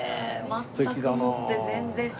全くもって全然違う方向に。